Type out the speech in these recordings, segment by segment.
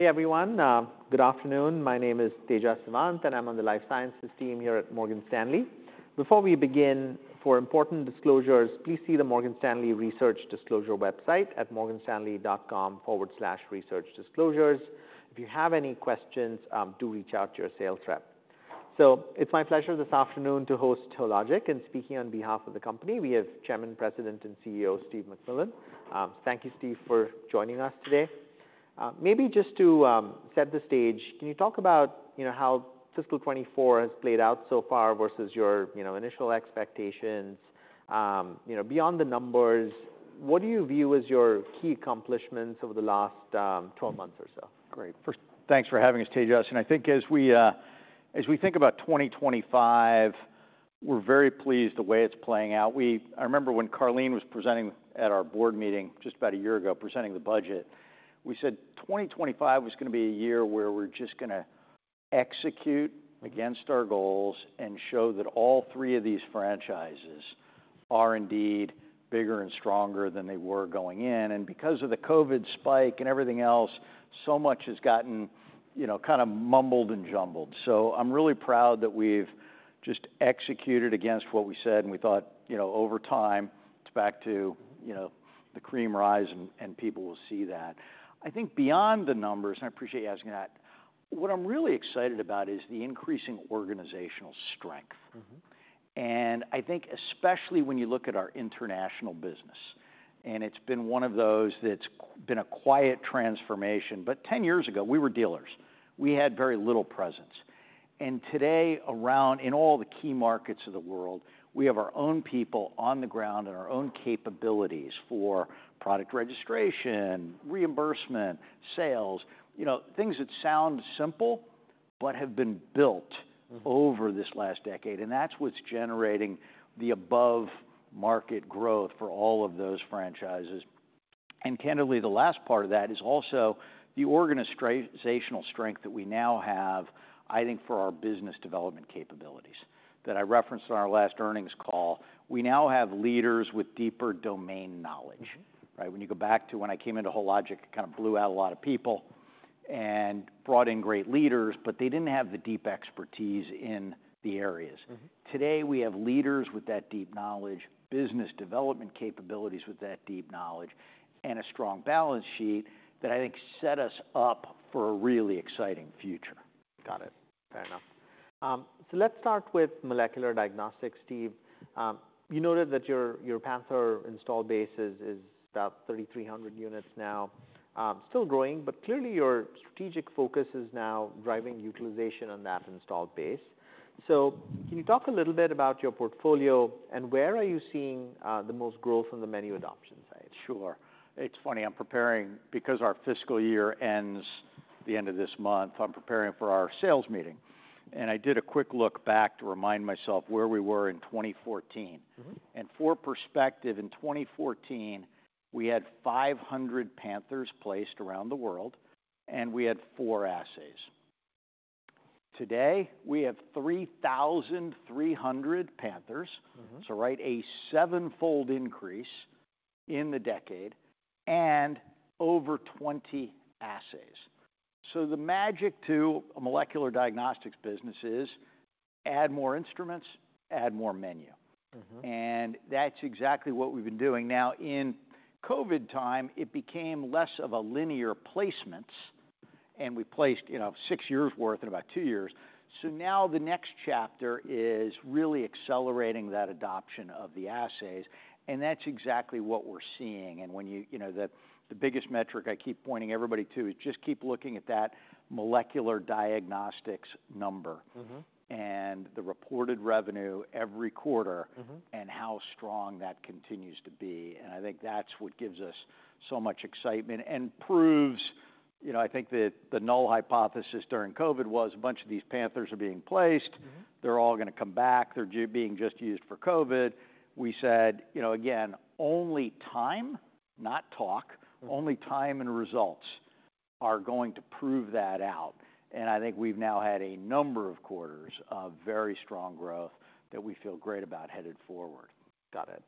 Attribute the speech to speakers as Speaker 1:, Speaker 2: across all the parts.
Speaker 1: Hey, everyone, good afternoon. My name is Tejas Savant, and I'm on the life sciences team here at Morgan Stanley. Before we begin, for important disclosures, please see the Morgan Stanley Research Disclosure website at morganstanley.com/researchdisclosures. If you have any questions, do reach out to your sales rep. So it's my pleasure this afternoon to host Hologic, and speaking on behalf of the company, we have Chairman, President, and Chief Executive Officer, Steve MacMillan. Thank you, Steve for joining us today. Maybe just to set the stage, can you talk about, you know, how fiscal 24 has played out so far versus your, you know, initial expectations? You know, beyond the numbers, what do you view as your key accomplishments over the last 12 months or so?
Speaker 2: Great. First, thanks for having us, Tejas, and I think as we think about 2025, we're very pleased the way it's playing out. We. I remember when Karleen was presenting at our board meeting just about a year ago, presenting the budget. We said 2025 was gonna be a year where we're just gonna execute against our goals and show that all three of these franchises are indeed bigger and stronger than they were going in. And because of the COVID spike and everything else, so much has gotten, you know, kind of mumbled and jumbled. So I'm really proud that we've just executed against what we said, and we thought, you know, over time, it's back to, you know, the cream rises, and people will see that. I think beyond the numbers, and I appreciate you asking that, what I'm really excited about is the increasing organizational strength.
Speaker 1: Mm-hmm.
Speaker 2: And I think especially when you look at our international business, and it's been one of those that's been a quiet transformation, but 10 years ago, we were dealers. We had very little presence. And today, around... in all the key markets of the world, we have our own people on the ground and our own capabilities for product registration, reimbursement, sales. You know, things that sound simple, but have been built-
Speaker 1: Mm-hmm...
Speaker 2: over this last decade, and that's what's generating the above-market growth for all of those franchises, and candidly, the last part of that is also the organizational strength that we now have, I think, for our business development capabilities, that I referenced on our last earnings call. We now have leaders with deeper domain knowledge.
Speaker 1: Mm-hmm.
Speaker 2: Right? When you go back to when I came into Hologic, it kind of blew out a lot of people and brought in great leaders, but they didn't have the deep expertise in the areas.
Speaker 1: Mm-hmm.
Speaker 2: Today, we have leaders with that deep knowledge, business development capabilities with that deep knowledge, and a strong balance sheet that I think set us up for a really exciting future.
Speaker 1: Got it. Fair enough, so let's start with molecular diagnostics, Steve. You noted that your Panther install base is about thirty-three hundred units now. Still growing, but clearly, your strategic focus is now driving utilization on that installed base, so can you talk a little bit about your portfolio, and where are you seeing the most growth on the menu adoption side?
Speaker 2: Sure. It's funny, I'm preparing because our fiscal year ends at the end of this month. I'm preparing for our sales meeting, and I did a quick look back to remind myself where we were in 2014.
Speaker 1: Mm-hmm.
Speaker 2: For perspective, in 2014, we had 500 Panthers placed around the world, and we had four assays. Today, we have 3,300 Panthers.
Speaker 1: Mm-hmm.
Speaker 2: So, right, a sevenfold increase in the decade and over 20 assays. So, the magic to a molecular diagnostics business is add more instruments, add more menu.
Speaker 1: Mm-hmm.
Speaker 2: That's exactly what we've been doing. Now, in COVID time, it became less of a linear placements, and we placed, you know, six years' worth in about two years. Now the next chapter is really accelerating that adoption of the assays, and that's exactly what we're seeing. When you, you know, the biggest metric I keep pointing everybody to is just keep looking at that molecular diagnostics number-
Speaker 1: Mm-hmm...
Speaker 2: and the reported revenue every quarter-
Speaker 1: Mm-hmm...
Speaker 2: and how strong that continues to be. And I think that's what gives us so much excitement and proves, you know, I think that the null hypothesis during COVID was a bunch of these Panthers are being placed.
Speaker 1: Mm-hmm.
Speaker 2: They're all gonna come back. They're just being used for COVID. We said, you know, again, "Only time, not talk, only time and results are going to prove that out." And I think we've now had a number of quarters of very strong growth that we feel great about headed forward.
Speaker 1: Got it.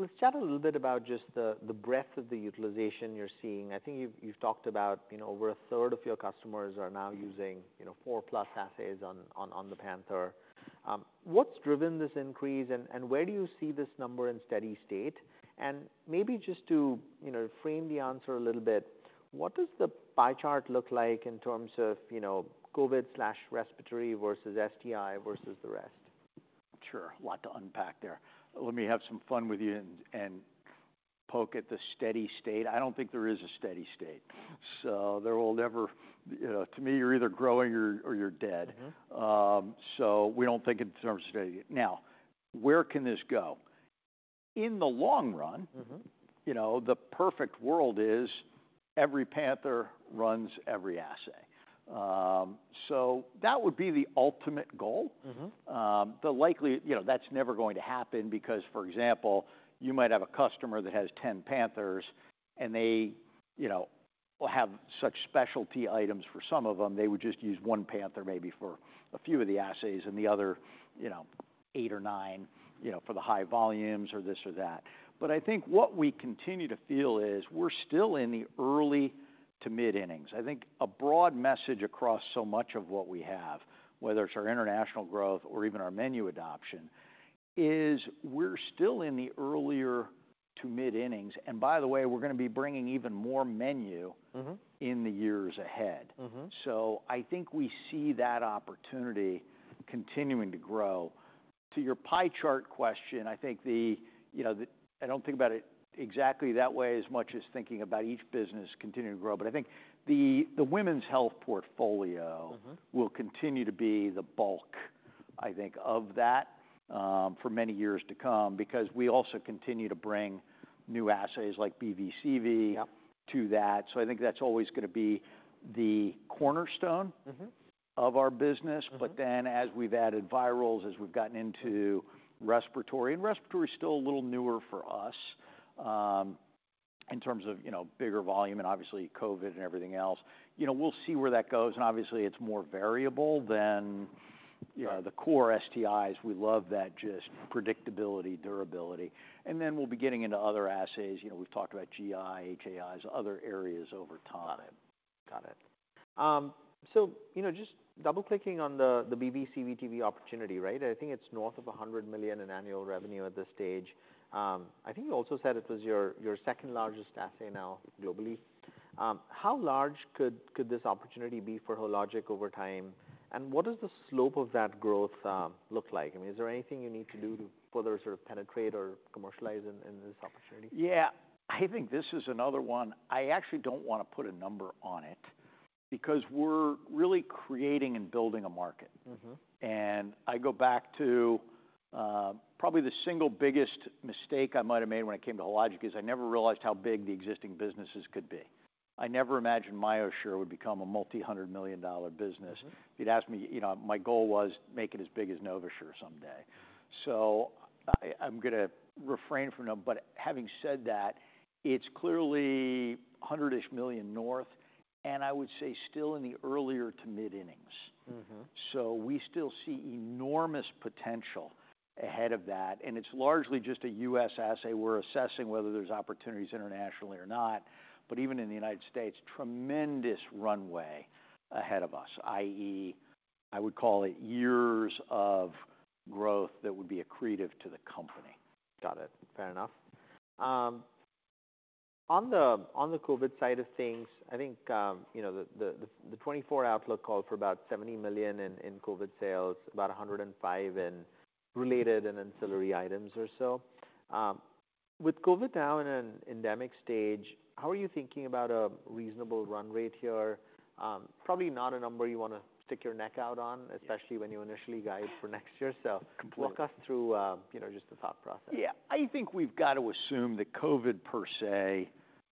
Speaker 1: Let's chat a little bit about just the breadth of the utilization you're seeing. I think you've talked about, you know, over a third of your customers are now using, you know, four-plus assays on the Panther. What's driven this increase, and where do you see this number in steady state? Maybe just to, you know, frame the answer a little bit, what does the pie chart look like in terms of, you know, COVID/respiratory versus STI versus the rest?
Speaker 2: Sure. A lot to unpack there. Let me have some fun with you and poke at the steady state. I don't think there is a steady state, so there will never... To me, you're either growing or you're dead.
Speaker 1: Mm-hmm.
Speaker 2: So, we don't think in terms of steady. Now, where can this go? In the long run-
Speaker 1: Mm-hmm...
Speaker 2: you know, the perfect world is every Panther runs every assay. So that would be the ultimate goal.
Speaker 1: Mm-hmm.
Speaker 2: You know, that's never going to happen because, for example, you might have a customer that has ten Panthers, and they, you know, will have such specialty items for some of them, they would just use one Panther, maybe for a few of the assays, and the other, you know, eight or nine, you know, for the high volumes or this or that. But I think what we continue to feel is we're still in the early to mid-innings. I think a broad message across so much of what we have, whether it's our international growth or even our menu adoption, is we're still in the earlier to mid-innings. And by the way, we're gonna be bringing even more menu-
Speaker 1: Mm-hmm
Speaker 2: in the years ahead.
Speaker 1: Mm-hmm.
Speaker 2: So I think we see that opportunity continuing to grow. To your pie chart question, I think you know, I don't think about it exactly that way, as much as thinking about each business continuing to grow. But I think the women's health portfolio-
Speaker 1: Mm-hmm
Speaker 2: -will continue to be the bulk, I think, of that, for many years to come, because we also continue to bring new assays like BV/CV-
Speaker 1: Yep
Speaker 2: To that. So I think that's always gonna be the cornerstone.
Speaker 1: Mm-hmm
Speaker 2: -of our business.
Speaker 1: Mm-hmm.
Speaker 2: But then, as we've added virals, as we've gotten into respiratory, and respiratory is still a little newer for us, in terms of, you know, bigger volume and obviously COVID and everything else. You know, we'll see where that goes, and obviously, it's more variable than, you know, the core STIs. We love that, just predictability, durability. And then we'll be getting into other assays. You know, we've talked about GI, HAIs, other areas over time.
Speaker 1: Got it. So, you know, just double-clicking on the BV/CV/TV opportunity, right? I think it's north of $100 million in annual revenue at this stage. I think you also said it was your second-largest assay now, globally. How large could this opportunity be for Hologic over time, and what does the slope of that growth look like? I mean, is there anything you need to do to further sort of penetrate or commercialize in this opportunity?
Speaker 2: Yeah, I think this is another one. I actually don't want to put a number on it because we're really creating and building a market.
Speaker 1: Mm-hmm.
Speaker 2: And I go back to probably the single biggest mistake I might have made when it came to Hologic is I never realized how big the existing businesses could be. I never imagined MyoSure would become a multi-hundred million-dollar business. If you'd asked me, you know, my goal was make it as big as NovaSure someday. So I, I'm gonna refrain from them. But having said that, it's clearly hundred-ish million north, and I would say still in the earlier to mid-innings.
Speaker 1: Mm-hmm.
Speaker 2: So we still see enormous potential ahead of that, and it's largely just a U.S. assay. We're assessing whether there's opportunities internationally or not, but even in the United States, tremendous runway ahead of us, i.e., I would call it years of growth that would be accretive to the company.
Speaker 1: Got it. Fair enough. On the COVID side of things, I think, you know, the 2024 outlook called for about $70 million in COVID sales, about $105 million in related and ancillary items or so. With COVID now in an endemic stage, how are you thinking about a reasonable run rate here? Probably not a number you want to stick your neck out on, especially when you initially guide for next year. So-
Speaker 2: Completely...
Speaker 1: walk us through, you know, just the thought process.
Speaker 2: Yeah. I think we've got to assume that COVID, per se,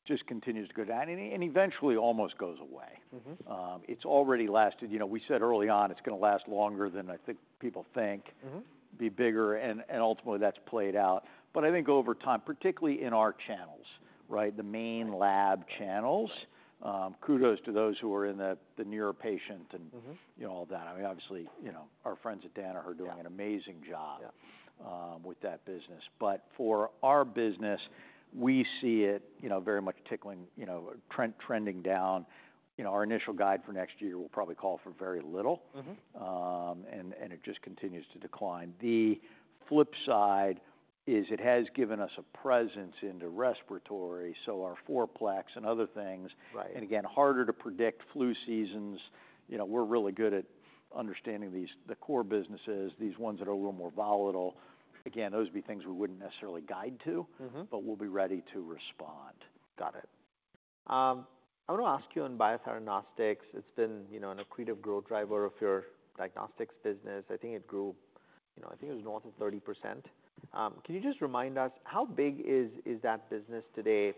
Speaker 2: just continues to go down and eventually almost goes away.
Speaker 1: Mm-hmm.
Speaker 2: It's already lasted... You know, we said early on, it's gonna last longer than I think people think-
Speaker 1: Mm-hmm...
Speaker 2: be bigger, and ultimately, that's played out. But I think over time, particularly in our channels, right, the main lab channels, kudos to those who are in the nearer patient and-
Speaker 1: Mm-hmm
Speaker 2: You know, all that. I mean, obviously, you know, our friends at Danaher are-
Speaker 1: Yeah
Speaker 2: Doing an amazing job.
Speaker 1: Yeah
Speaker 2: with that business. But for our business, we see it, you know, very much trending down. You know, our initial guide for next year will probably call for very little.
Speaker 1: Mm-hmm.
Speaker 2: It just continues to decline. The flip side is it has given us a presence into respiratory, so our fourplex and other things.
Speaker 1: Right.
Speaker 2: And again, harder to predict flu seasons. You know, we're really good at understanding these, the core businesses, these ones that are a little more volatile. Again, those would be things we wouldn't necessarily guide to-
Speaker 1: Mm-hmm
Speaker 2: -but we'll be ready to respond.
Speaker 1: Got it. I want to ask you on Biotheranostics, it's been, you know, an accretive growth driver of your diagnostics business. I think it grew, you know, I think it was north of 30%. Can you just remind us, how big is that business today?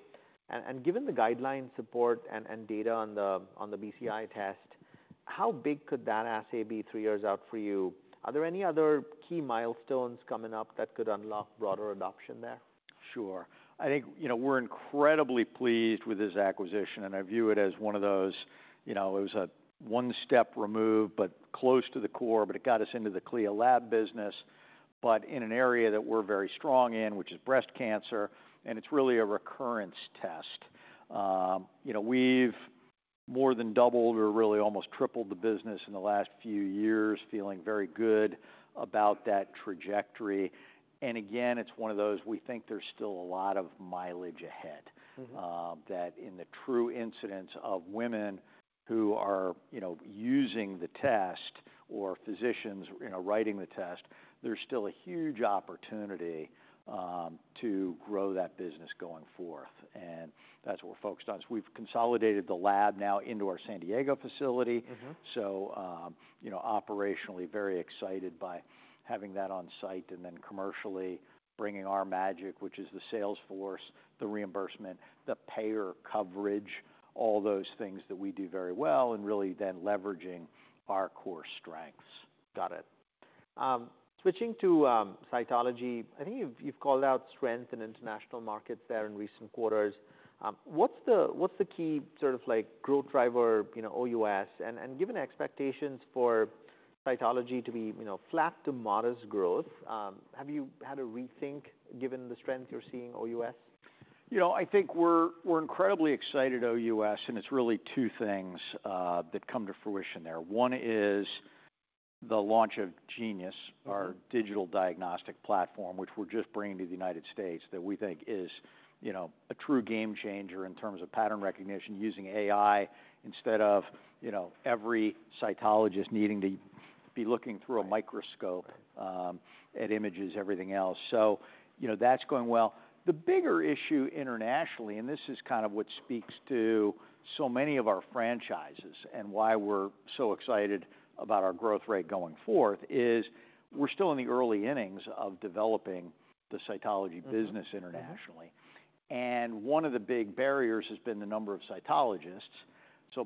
Speaker 1: And given the guideline support and data on the BCI test, how big could that assay be three years out for you? Are there any other key milestones coming up that could unlock broader adoption there?
Speaker 2: Sure. I think, you know, we're incredibly pleased with this acquisition, and I view it as one of those, you know, it was a one-step removed but close to the core, but it got us into the CLIA lab business, but in an area that we're very strong in, which is breast cancer, and it's really a recurrence test. You know, we've more than doubled or really almost tripled the business in the last few years, feeling very good about that trajectory. And again, it's one of those, we think there's still a lot of mileage ahead-
Speaker 1: Mm-hmm...
Speaker 2: that in the true incidence of women who are, you know, using the test or physicians, you know, writing the test, there's still a huge opportunity to grow that business going forth, and that's what we're focused on. So we've consolidated the lab now into our San Diego facility.
Speaker 1: Mm-hmm.
Speaker 2: You know, operationally very excited by having that on site and then commercially bringing our magic, which is the sales force, the reimbursement, the payer coverage, all those things that we do very well, and really then leveraging our core strengths.
Speaker 1: Got it. Switching to cytology, I think you've called out strength in international markets there in recent quarters. What's the key sort of like growth driver, you know, OUS, and given the expectations for cytology to be, you know, flat to modest growth, have you had a rethink given the strength you're seeing OUS? ...
Speaker 2: You know, I think we're incredibly excited, OUS, and it's really two things that come to fruition there. One is the launch of Genius, our digital diagnostic platform, which we're just bringing to the United States, that we think is, you know, a true game changer in terms of pattern recognition, using AI instead of, you know, every cytologist needing to be looking through a microscope at images, everything else. So, you know, that's going well. The bigger issue internationally, and this is kind of what speaks to so many of our franchises and why we're so excited about our growth rate going forth, is we're still in the early innings of developing the cytology business internationally.
Speaker 1: Mm-hmm.
Speaker 2: One of the big barriers has been the number of cytologists.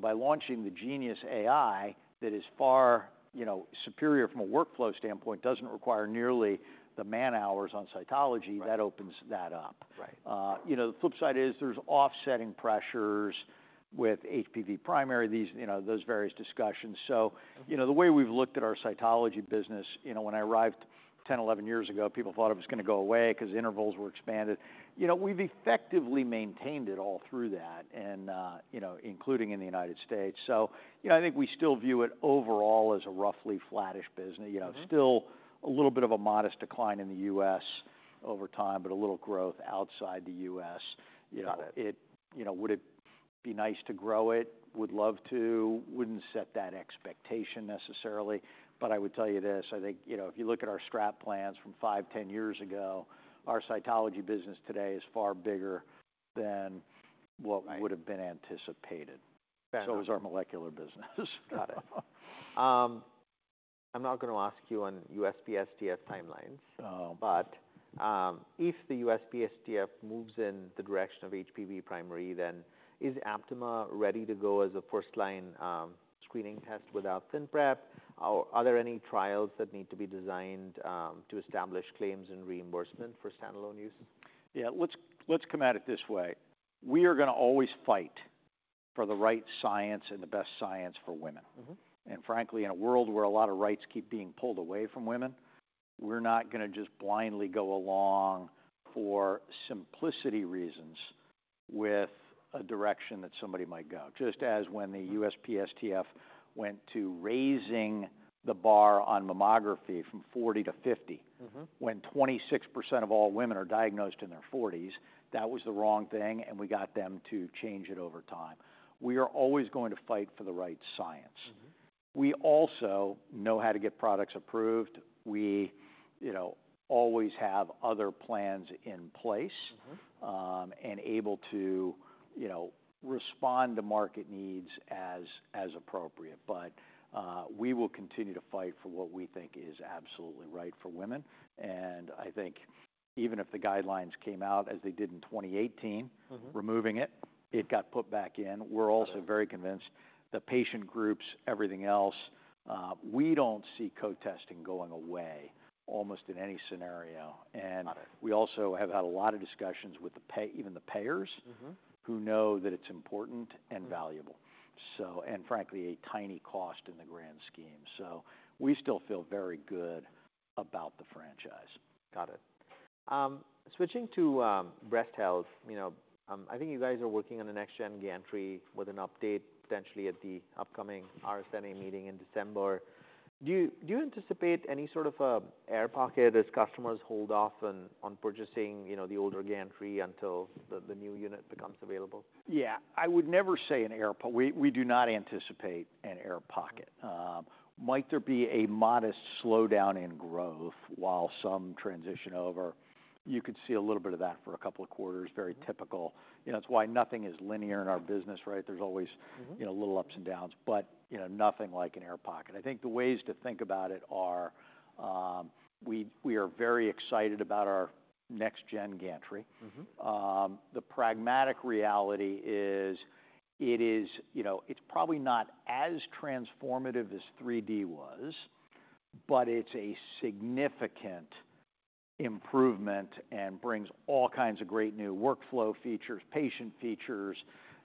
Speaker 2: By launching the Genius AI, that is far, you know, superior from a workflow standpoint, doesn't require nearly the man-hours on cytology.
Speaker 1: Right.
Speaker 2: That opens that up.
Speaker 1: Right.
Speaker 2: You know, the flip side is there's offsetting pressures with HPV primary, these, you know, those various discussions, so you know, the way we've looked at our cytology business, you know, when I arrived 10, 11 years ago, people thought it was gonna go away 'cause intervals were expanded. You know, we've effectively maintained it all through that and, you know, including in the United States, so you know, I think we still view it overall as a roughly flattish business.
Speaker 1: Mm-hmm.
Speaker 2: You know, still a little bit of a modest decline in the U.S. over time, but a little growth outside the U.S.
Speaker 1: Got it.
Speaker 2: You know, would it be nice to grow it? Would love to. Wouldn't set that expectation necessarily, but I would tell you this: I think, you know, if you look at our strategic plans from five, 10 years ago, our cytology business today is far bigger than-
Speaker 1: Right...
Speaker 2: what would have been anticipated.
Speaker 1: Got it.
Speaker 2: So is our molecular business.
Speaker 1: Got it. I'm not gonna ask you on USPSTF timelines.
Speaker 2: Oh.
Speaker 1: But, if the USPSTF moves in the direction of HPV primary, then is Aptima ready to go as a first-line screening test without ThinPrep? Or are there any trials that need to be designed to establish claims and reimbursement for standalone use?
Speaker 2: Yeah, let's come at it this way. We are gonna always fight for the right science and the best science for women.
Speaker 1: Mm-hmm.
Speaker 2: And frankly, in a world where a lot of rights keep being pulled away from women, we're not gonna just blindly go along for simplicity reasons with a direction that somebody might go. Just as when the USPSTF went to raising the bar on mammography from forty to fifty-
Speaker 1: Mm-hmm...
Speaker 2: when 26% of all women are diagnosed in their forties, that was the wrong thing, and we got them to change it over time. We are always going to fight for the right science.
Speaker 1: Mm-hmm.
Speaker 2: We also know how to get products approved. We, you know, always have other plans in place-
Speaker 1: Mm-hmm...
Speaker 2: and able to, you know, respond to market needs as appropriate, but we will continue to fight for what we think is absolutely right for women, and I think even if the guidelines came out as they did in 2018-
Speaker 1: Mm-hmm...
Speaker 2: removing it, it got put back in.
Speaker 1: Right.
Speaker 2: We're also very convinced the patient groups, everything else, we don't see co-testing going away almost in any scenario.
Speaker 1: Got it.
Speaker 2: And we also have had a lot of discussions with the payers, even the payers.
Speaker 1: Mm-hmm...
Speaker 2: who know that it's important and valuable, so... And frankly, a tiny cost in the grand scheme. So we still feel very good about the franchise.
Speaker 1: Got it. Switching to breast health. You know, I think you guys are working on the next-gen gantry with an update potentially at the upcoming RSNA meeting in December. Do you anticipate any sort of air pocket as customers hold off on purchasing, you know, the older gantry until the new unit becomes available?
Speaker 2: Yeah. I would never say an air pocket. We do not anticipate an air pocket.
Speaker 1: Mm-hmm.
Speaker 2: Might there be a modest slowdown in growth while some transition over? You could see a little bit of that for a couple of quarters.
Speaker 1: Mm-hmm.
Speaker 2: Very typical. You know, it's why nothing is linear in our business, right? There's always-
Speaker 1: Mm-hmm...
Speaker 2: you know, little ups and downs, but, you know, nothing like an air pocket. I think the ways to think about it are, we are very excited about our next-gen gantry.
Speaker 1: Mm-hmm.
Speaker 2: The pragmatic reality is, it is. You know, it's probably not as transformative as 3D was, but it's a significant improvement and brings all kinds of great new workflow features, patient features,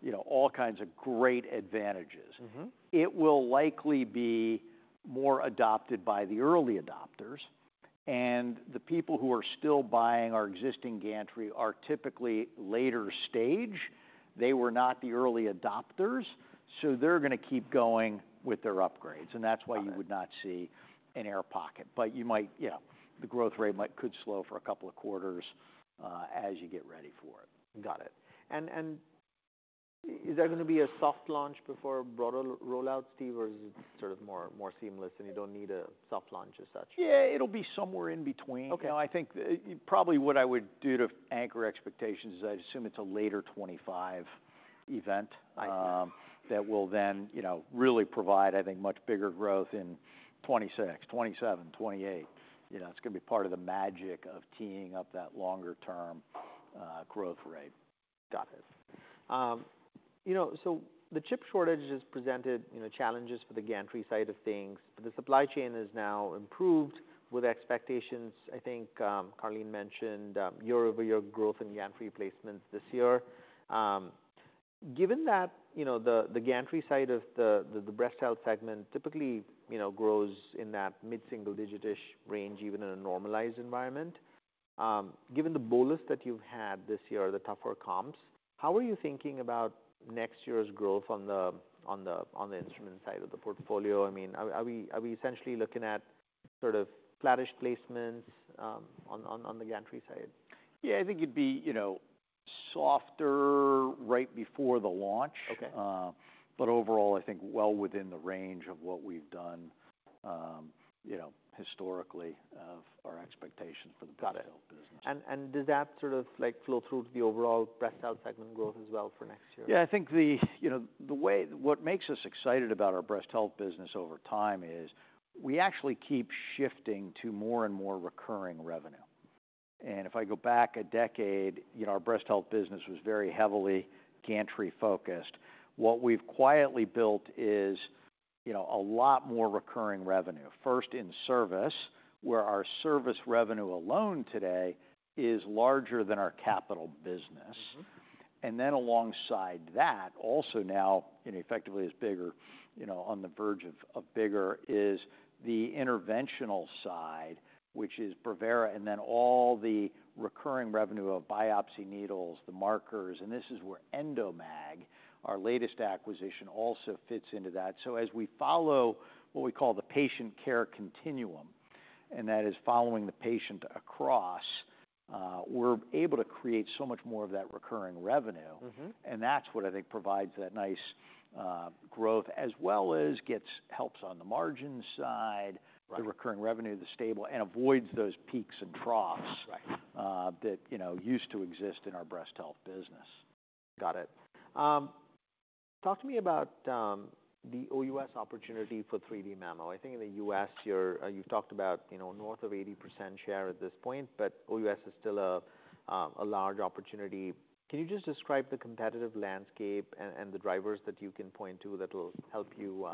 Speaker 2: you know, all kinds of great advantages.
Speaker 1: Mm-hmm.
Speaker 2: It will likely be more adopted by the early adopters, and the people who are still buying our existing gantry are typically later stage. They were not the early adopters, so they're gonna keep going with their upgrades, and that's-
Speaker 1: Got it...
Speaker 2: why you would not see an air pocket. But you might... Yeah, the growth rate might, could slow for a couple of quarters, as you get ready for it.
Speaker 1: Got it. And is there gonna be a soft launch before a broader rollout, Steve? Or is it sort of more seamless, and you don't need a soft launch as such?
Speaker 2: Yeah, it'll be somewhere in between.
Speaker 1: Okay.
Speaker 2: You know, I think, probably what I would do to anchor expectations is I'd assume it's a later 2025 event-
Speaker 1: I-
Speaker 2: that will then, you know, really provide, I think, much bigger growth in 2026, 2027, 2028. You know, it’s gonna be part of the magic of teeing up that longer-term growth rate.
Speaker 1: Got it. You know, so the chip shortage has presented, you know, challenges for the gantry side of things, but the supply chain has now improved with expectations. I think, Karleen mentioned, year-over-year growth in gantry replacements this year. Given that, you know, the gantry side of the breast health segment typically, you know, grows in that mid-single digit-ish range, even in a normalized environment, given the bolus that you've had this year, the tougher comps, how are you thinking about next year's growth on the instrument side of the portfolio? I mean, are we essentially looking at sort of flattish placements on the gantry side?
Speaker 2: Yeah, I think it'd be, you know, softer right before the launch.
Speaker 1: Okay.
Speaker 2: But overall, I think well within the range of what we've done, you know, historically of our expectations for the-
Speaker 1: Got it
Speaker 2: Breast health business.
Speaker 1: Does that sort of, like, flow through to the overall breast health segment growth as well for next year?
Speaker 2: Yeah, I think, you know, what makes us excited about our breast health business over time is we actually keep shifting to more and more recurring revenue, and if I go back a decade, you know, our breast health business was very heavily gantry-focused. What we've quietly built is, you know, a lot more recurring revenue. First, in service, where our service revenue alone today is larger than our capital business.
Speaker 1: Mm-hmm.
Speaker 2: And then alongside that, also now, and effectively is bigger, you know, on the verge of bigger, is the interventional side, which is Brevera, and then all the recurring revenue of biopsy needles, the markers, and this is where Endomag, our latest acquisition, also fits into that. So as we follow what we call the patient care continuum, and that is following the patient across, we're able to create so much more of that recurring revenue.
Speaker 1: Mm-hmm.
Speaker 2: And that's what I think provides that nice growth, as well as gets helps on the margin side.
Speaker 1: Right.
Speaker 2: The recurring revenue, the stable, and avoids those peaks and troughs-
Speaker 1: Right...
Speaker 2: that, you know, used to exist in our breast health business.
Speaker 1: Got it. Talk to me about the OUS opportunity for 3D mammo. I think in the U.S., you're, you've talked about, you know, north of 80% share at this point, but OUS is still a large opportunity. Can you just describe the competitive landscape and the drivers that you can point to that will help you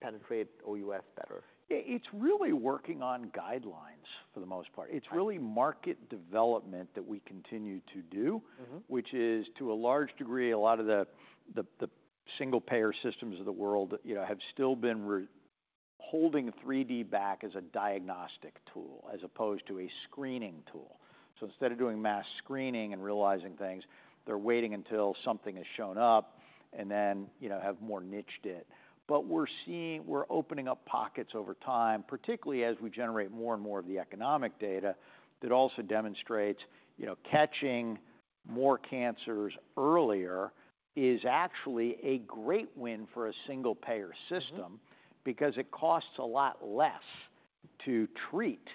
Speaker 1: penetrate OUS better?
Speaker 2: Yeah, it's really working on guidelines for the most part.
Speaker 1: Right.
Speaker 2: It's really market development that we continue to do-
Speaker 1: Mm-hmm...
Speaker 2: which is, to a large degree, a lot of the single-payer systems of the world, you know, have still been holding 3D back as a diagnostic tool as opposed to a screening tool. So instead of doing mass screening and realizing things, they're waiting until something has shown up and then, you know, have more niched it. But we're seeing... We're opening up pockets over time, particularly as we generate more and more of the economic data, that also demonstrates, you know, catching more cancers earlier is actually a great win for a single-payer system-
Speaker 1: Mm-hmm...
Speaker 2: because it costs a lot less to treat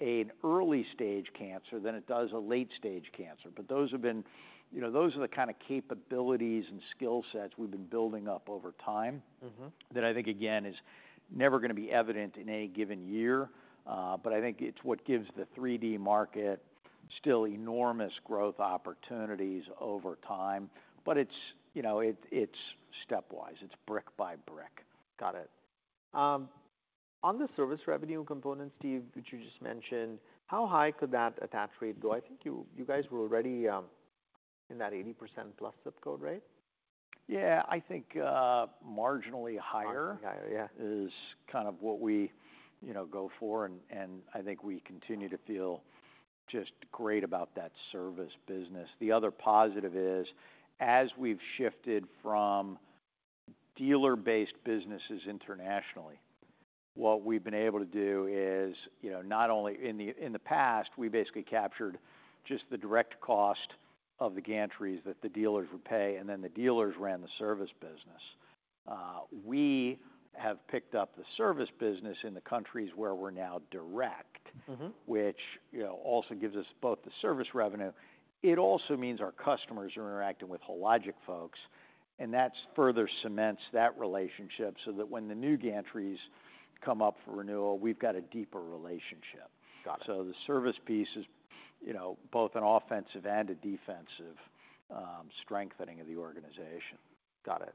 Speaker 2: an early-stage cancer than it does a late-stage cancer. But those have been, you know, those are the kind of capabilities and skill sets we've been building up over time-
Speaker 1: Mm-hmm...
Speaker 2: that I think, again, is never gonna be evident in any given year. But I think it's what gives the 3D market still enormous growth opportunities over time. But it's, you know, it, it's stepwise. It's brick by brick.
Speaker 1: Got it. On the service revenue component, Steve, which you just mentioned, how high could that attach rate go? I think you, you guys were already in that 80% plus zip code, right?
Speaker 2: Yeah, I think, marginally higher-
Speaker 1: Marginally higher, yeah....
Speaker 2: is kind of what we, you know, go for, and I think we continue to feel just great about that service business. The other positive is, as we've shifted from dealer-based businesses internationally, what we've been able to do is, you know, not only in the past, we basically captured just the direct cost of the gantries that the dealers would pay, and then the dealers ran the service business. We have picked up the service business in the countries where we're now direct-
Speaker 1: Mm-hmm...
Speaker 2: which, you know, also gives us both the service revenue. It also means our customers are interacting with Hologic folks, and that's further cements that relationship so that when the new gantries come up for renewal, we've got a deeper relationship.
Speaker 1: Got it.
Speaker 2: The service piece is, you know, both an offensive and a defensive strengthening of the organization.
Speaker 1: Got it,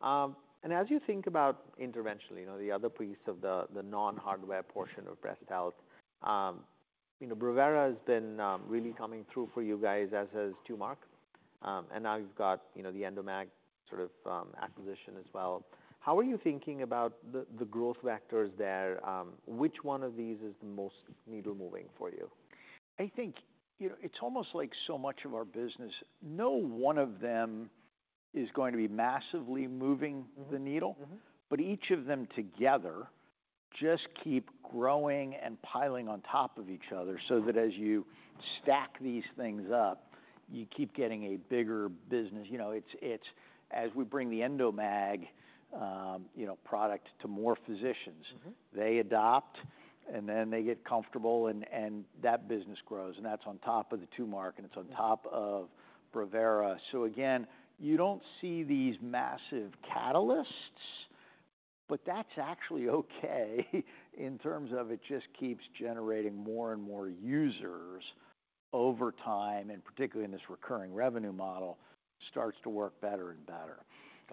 Speaker 1: and as you think about interventional, you know, the other piece of the non-hardware portion of breast health, you know, Brevera has been really coming through for you guys, as has Tumark. And now you've got, you know, the Endomag sort of acquisition as well. How are you thinking about the growth vectors there? Which one of these is the most needle-moving for you?
Speaker 2: I think, you know, it's almost like so much of our business. No one of them is going to be massively moving the needle-
Speaker 1: Mm-hmm...
Speaker 2: but each of them together just keep growing and piling on top of each other, so that as you stack these things up, you keep getting a bigger business. You know, it's as we bring the Endomag, you know, product to more physicians-
Speaker 1: Mm-hmm...
Speaker 2: they adopt, and then they get comfortable, and that business grows, and that's on top of the Tumark, and it's on top of Brevera. So again, you don't see these massive catalysts, but that's actually okay, in terms of it just keeps generating more and more users over time, and particularly in this recurring revenue model, starts to work better and better....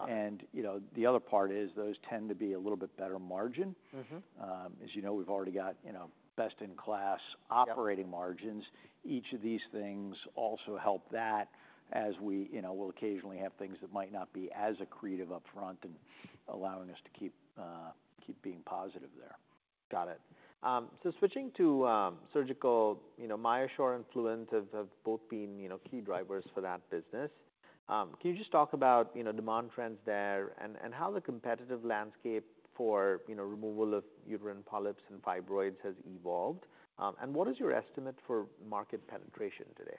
Speaker 2: and, you know, the other part is those tend to be a little bit better margin.
Speaker 1: Mm-hmm.
Speaker 2: As you know, we've already got, you know, best-in-class-
Speaker 1: Yep
Speaker 2: - operating margins. Each of these things also help that as we, you know, we'll occasionally have things that might not be as accretive upfront in allowing us to keep being positive there.
Speaker 1: Got it. So switching to surgical, you know, MyoSure and Fluent have both been, you know, key drivers for that business. Can you just talk about, you know, demand trends there, and how the competitive landscape for, you know, removal of uterine polyps and fibroids has evolved? And what is your estimate for market penetration today?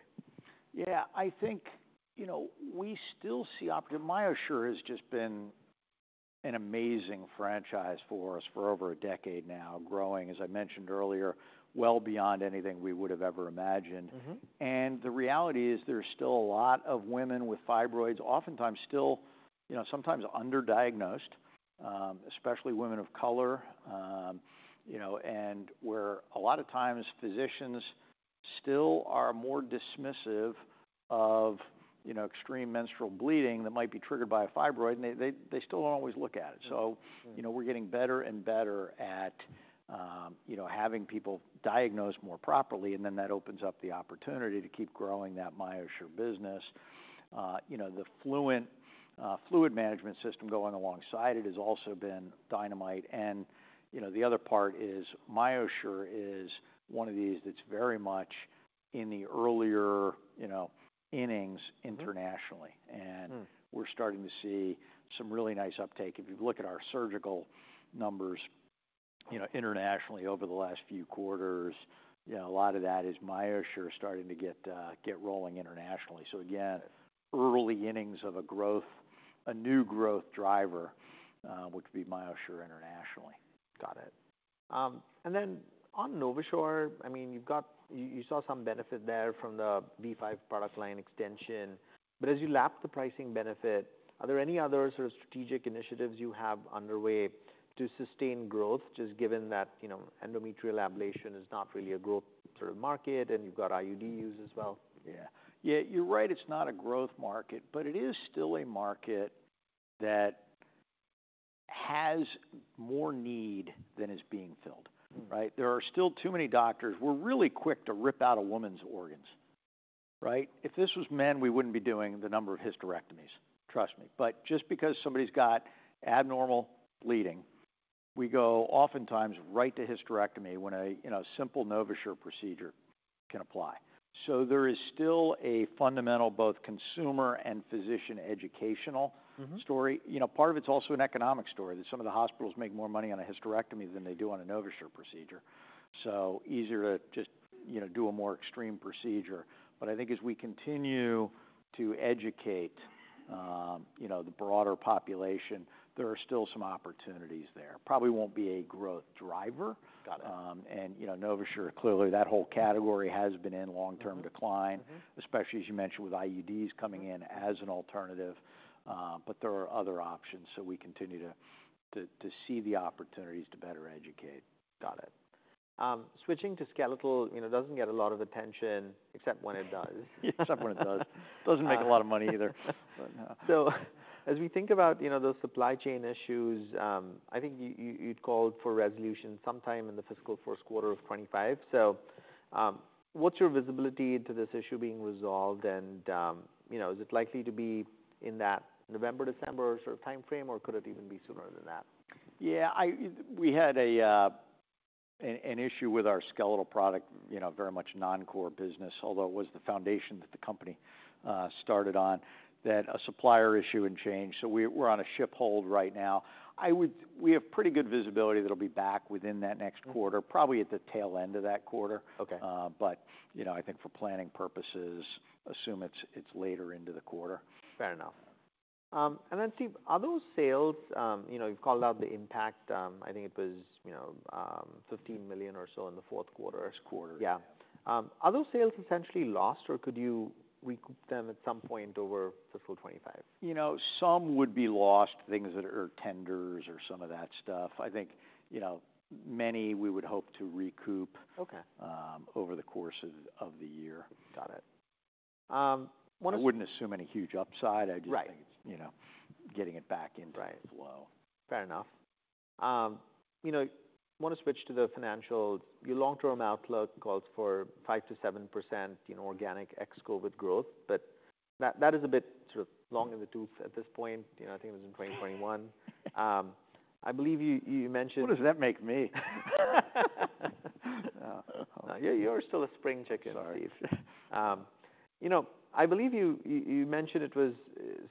Speaker 2: Yeah, I think, you know, we still see MyoSure has just been an amazing franchise for us for over a decade now, growing, as I mentioned earlier, well beyond anything we would've ever imagined.
Speaker 1: Mm-hmm.
Speaker 2: The reality is, there's still a lot of women with fibroids, oftentimes still, you know, sometimes under-diagnosed, especially women of color. You know, and where a lot of times physicians still are more dismissive of, you know, extreme menstrual bleeding that might be triggered by a fibroid, and they still don't always look at it.
Speaker 1: Mm-hmm.
Speaker 2: So, you know, we're getting better and better at, you know, having people diagnosed more properly, and then that opens up the opportunity to keep growing that MyoSure business. You know, the Fluent fluid management system going alongside it has also been dynamite. And, you know, the other part is, MyoSure is one of these that's very much in the earlier, you know, innings-
Speaker 1: Mm-hmm
Speaker 2: - internationally.
Speaker 1: Hmm.
Speaker 2: We're starting to see some really nice uptake. If you look at our surgical numbers, you know, internationally over the last few quarters, you know, a lot of that is MyoSure starting to get rolling internationally. Again, early innings of a growth, a new growth driver, which would be MyoSure internationally.
Speaker 1: Got it. And then on NovaSure, I mean, you've got you saw some benefit there from the V5 product line extension. But as you lap the pricing benefit, are there any other sort of strategic initiatives you have underway to sustain growth, just given that, you know, endometrial ablation is not really a growth sort of market, and you've got IUD use as well?
Speaker 2: Yeah. Yeah, you're right, it's not a growth market, but it is still a market that has more need than is being filled, right?
Speaker 1: Mm-hmm.
Speaker 2: There are still too many doctors... We're really quick to rip out a woman's organs, right? If this was men, we wouldn't be doing the number of hysterectomies, trust me. But just because somebody's got abnormal bleeding, we go oftentimes right to hysterectomy when a, you know, simple NovaSure procedure can apply. So there is still a fundamental, both consumer and physician, educational-
Speaker 1: Mm-hmm
Speaker 2: Story. You know, part of it's also an economic story, that some of the hospitals make more money on a hysterectomy than they do on a NovaSure procedure. So easier to just, you know, do a more extreme procedure. But I think as we continue to educate, you know, the broader population, there are still some opportunities there. Probably won't be a growth driver.
Speaker 1: Got it.
Speaker 2: You know, NovaSure, clearly, that whole category has been in long-term decline.
Speaker 1: Mm-hmm.
Speaker 2: Especially as you mentioned, with IUDs coming in as an alternative. But there are other options, so we continue to see the opportunities to better educate.
Speaker 1: Got it. Switching to skeletal, you know, doesn't get a lot of attention, except when it does.
Speaker 2: Yeah, except when it does.
Speaker 1: Um-
Speaker 2: Doesn't make a lot of money either. But...
Speaker 1: So as we think about, you know, those supply chain issues, I think you'd called for resolution sometime in the fiscal first quarter of 25 So, what's your visibility into this issue being resolved? And, you know, is it likely to be in that November, December sort of timeframe, or could it even be sooner than that?
Speaker 2: Yeah, we had an issue with our skeletal product, you know, very much non-core business, although it was the foundation that the company started on, that a supplier issue had changed. So we're on a ship hold right now. I would... We have pretty good visibility that it'll be back within that next quarter-
Speaker 1: Mm-hmm.
Speaker 2: Probably at the tail end of that quarter.
Speaker 1: Okay.
Speaker 2: But, you know, I think for planning purposes, assume it's later into the quarter.
Speaker 1: Fair enough. And then, Steve, are those sales... You know, you've called out the impact, I think it was, you know, $15 million or so in the fourth quarter.
Speaker 2: Last quarter, yeah.
Speaker 1: Are those sales essentially lost, or could you recoup them at some point over fiscal 2025?
Speaker 2: You know, some would be lost, things that are tenders or some of that stuff. I think, you know, many we would hope to recoup-
Speaker 1: Okay...
Speaker 2: over the course of the year.
Speaker 1: Got it.
Speaker 2: I wouldn't assume any huge upside.
Speaker 1: Right.
Speaker 2: I just think it's, you know, getting it back into-
Speaker 1: Right
Speaker 2: - flow.
Speaker 1: Fair enough. You know, wanna switch to the financial. Your long-term outlook calls for 5%-7%, you know, organic ex-Covid growth, but that is a bit sort of long in the tooth at this point. You know, I think it was in 2021. I believe you mentioned-
Speaker 2: What does that make me?
Speaker 1: You're still a spring chicken, Steve.
Speaker 2: Sorry.
Speaker 1: You know, I believe you mentioned it was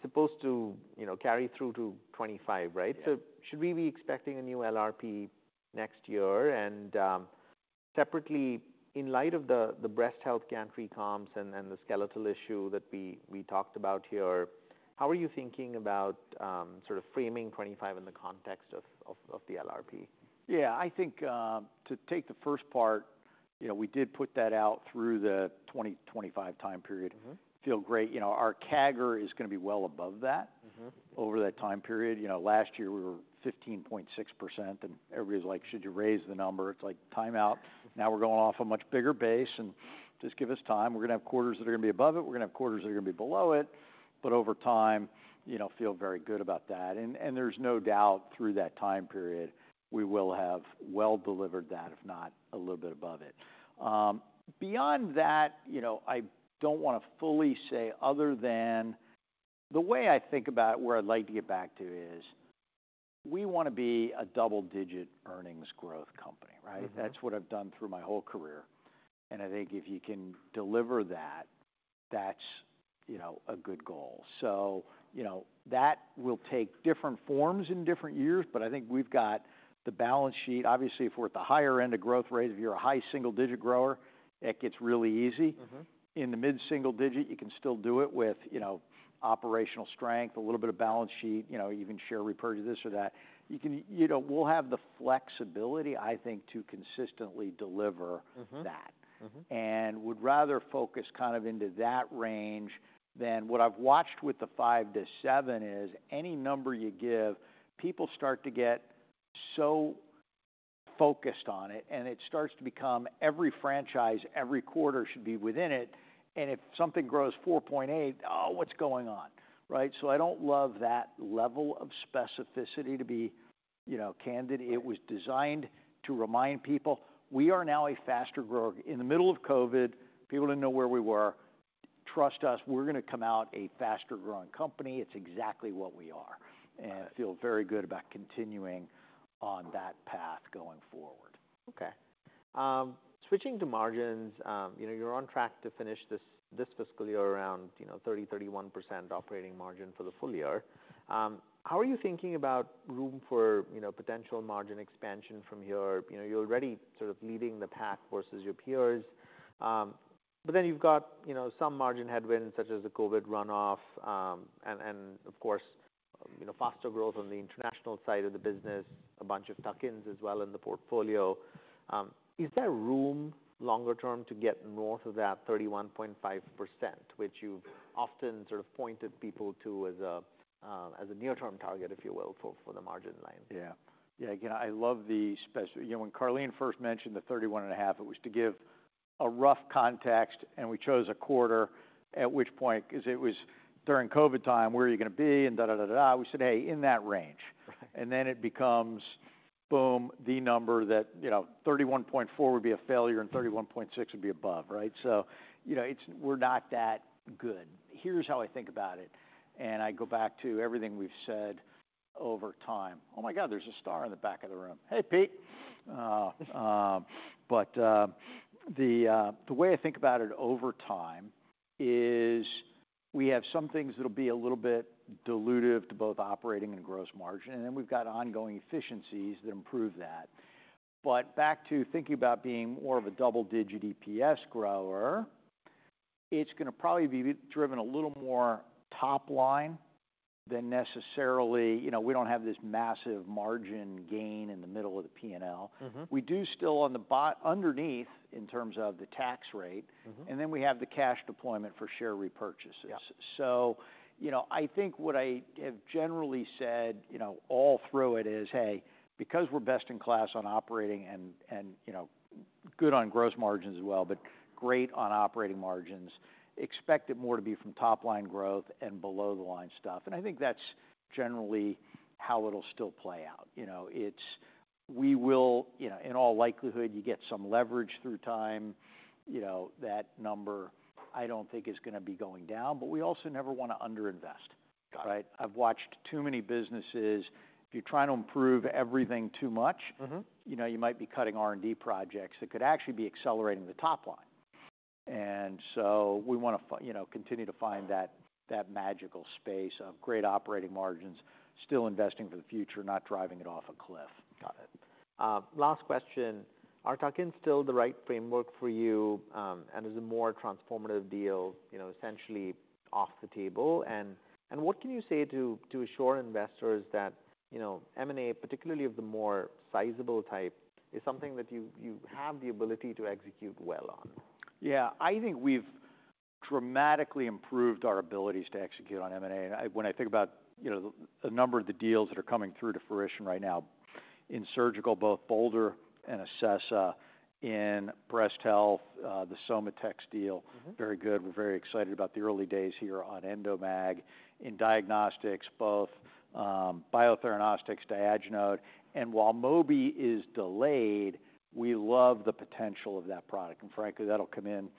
Speaker 1: supposed to, you know, carry through to 2025, right?
Speaker 2: Yeah.
Speaker 1: So should we be expecting a new LRP next year? And, separately, in light of the breast health gantry comps and the skeletal issue that we talked about here, how are you thinking about sort of framing 25 in the context of the LRP?
Speaker 2: Yeah, I think, you know, we did put that out through the 2025 time period.
Speaker 1: Mm-hmm.
Speaker 2: Feel great. You know, our CAGR is going to be well above that-
Speaker 1: Mm-hmm
Speaker 2: over that time period. You know, last year we were 15.6%, and everybody's like: "Should you raise the number?" It's like, time out, now we're going off a much bigger base and just give us time. We're going to have quarters that are going to be above it, we're going to have quarters that are going to be below it, but over time, you know, feel very good about that. And there's no doubt through that time period, we will have well-delivered that, if not a little bit above it. Beyond that, you know, I don't want to fully say, other than... The way I think about where I'd like to get back to is, we want to be a double-digit earnings growth company, right?
Speaker 1: Mm-hmm.
Speaker 2: That's what I've done through my whole career, and I think if you can deliver that, that's, you know, a good goal. So, you know, that will take different forms in different years, but I think we've got the balance sheet. Obviously, if we're at the higher end of growth rate, if you're a high single-digit grower, it gets really easy.
Speaker 1: Mm-hmm.
Speaker 2: In the mid-single digit, you can still do it with, you know, operational strength, a little bit of balance sheet, you know, you can share repurchase this or that. You know, we'll have the flexibility, I think, to consistently deliver-
Speaker 1: Mm-hmm
Speaker 2: - that.
Speaker 1: Mm-hmm.
Speaker 2: And would rather focus kind of into that range than what I've watched with the five to seven is, any number you give, people start to get so focused on it, and it starts to become every franchise, every quarter should be within it, and if something grows 4.8, "Oh, what's going on?" Right? So I don't love that level of specificity, to be, you know, candid. It was designed to remind people we are now a faster grower. In the middle of COVID, people didn't know where we were. Trust us, we're going to come out a faster-growing company. It's exactly what we are, and I feel very good about continuing on that path going forward.
Speaker 1: Okay. Switching to margins, you know, you're on track to finish this fiscal year around, you know, thirty, thirty-one operating margin for the full year. How are you thinking about room for, you know, potential margin expansion from here? You know, you're already sort of leading the pack versus your peers, but then you've got, you know, some margin headwinds, such as the COVID runoff, and of course, you know, faster growth on the international side of the business, a bunch of tuck-ins as well in the portfolio. Is there room longer term to get north of that 31.5%, which you've often sort of pointed people to as a, as a near-term target, if you will, for the margin line?
Speaker 2: Yeah. Yeah, again, I love the spec. You know, when Karleen first mentioned the thirty-one and a half, it was to give a rough context, and we chose a quarter, at which point, because it was during COVID time, where are you going to be? And da, da, da, da, da. We said, "Hey, in that range." And then it becomes, boom, the number that, you know, thirty-one point four would be a failure and thirty-one point six would be above, right? So you know, it's. We're not that good. Here's how I think about it, and I go back to everything we've said over time. Oh, my God, there's a star in the back of the room. Hey, Pete! The way I think about it over time is we have some things that'll be a little bit dilutive to both operating and gross margin, and then we've got ongoing efficiencies that improve that. But back to thinking about being more of a double-digit EPS grower, it's going to probably be driven a little more top line than necessarily. You know, we don't have this massive margin gain in the middle of the PNL.
Speaker 1: Mm-hmm.
Speaker 2: We do still on the bottom, underneath in terms of the tax rate.
Speaker 1: Mm-hmm.
Speaker 2: And then we have the cash deployment for share repurchases.
Speaker 1: Yeah.
Speaker 2: So, you know, I think what I have generally said, you know, all through it is, "Hey, because we're best in class on operating and you know, good on gross margins as well, but great on operating margins, expect it more to be from top-line growth and below-the-line stuff." And I think that's generally how it'll still play out. You know, in all likelihood, you get some leverage through time. You know, that number, I don't think is going to be going down, but we also never want to underinvest.
Speaker 1: Got it.
Speaker 2: Right? I've watched too many businesses. If you're trying to improve everything too much-
Speaker 1: Mm-hmm
Speaker 2: You know, you might be cutting R&D projects that could actually be accelerating the top line. And so we want to, you know, continue to find that magical space of great operating margins, still investing for the future, not driving it off a cliff.
Speaker 1: Got it. Last question: Are tuck-ins still the right framework for you, and is a more transformative deal, you know, essentially off the table? And what can you say to assure investors that, you know, M&A, particularly of the more sizable type, is something that you have the ability to execute well on?
Speaker 2: Yeah. I think we've dramatically improved our abilities to execute on M&A. When I think about, you know, the number of the deals that are coming through to fruition right now, in surgical, both Boulder and Acessa, in breast health, the Somatex deal-
Speaker 1: Mm-hmm...
Speaker 2: very good. We're very excited about the early days here on Endomag. In diagnostics, both Biotheranostics, Diagenode, and while Mobi is delayed, we love the potential of that product. And frankly, that'll come in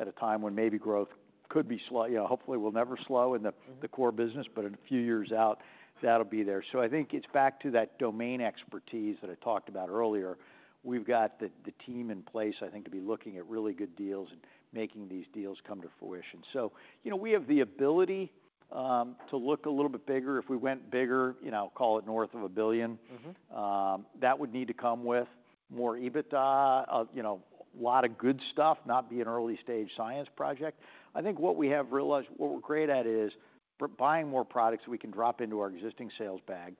Speaker 2: at a time when maybe growth could be slow. You know, hopefully, will never slow in the-
Speaker 1: Mm-hmm
Speaker 2: - the core business, but in a few years out, that'll be there. So I think it's back to that domain expertise that I talked about earlier. We've got the team in place, I think, to be looking at really good deals and making these deals come to fruition. So, you know, we have the ability to look a little bit bigger. If we went bigger, you know, call it north of a billion-
Speaker 1: Mm-hmm...
Speaker 2: that would need to come with more EBITDA, you know, a lot of good stuff, not be an early-stage science project. I think what we have realized, what we're great at, is we're buying more products we can drop into our existing sales bag,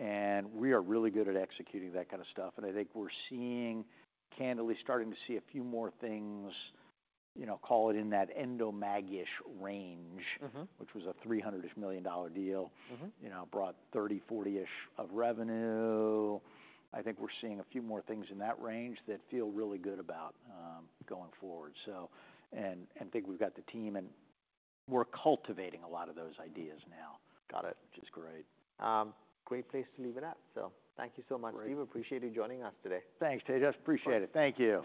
Speaker 2: and we are really good at executing that kind of stuff, and I think we're seeing, candidly, a few more things, you know, call it in that Endomag-ish range-
Speaker 1: Mm-hmm...
Speaker 2: which was a $300-ish million deal.
Speaker 1: Mm-hmm.
Speaker 2: You know, brought 30-40-ish of revenue. I think we're seeing a few more things in that range that feel really good about going forward. So I think we've got the team, and we're cultivating a lot of those ideas now.
Speaker 1: Got it.
Speaker 2: Which is great.
Speaker 1: Great place to leave it at. So thank you so much.
Speaker 2: Great.
Speaker 1: We appreciate you joining us today.
Speaker 2: Thanks, Tejas. Appreciate it. Thank you.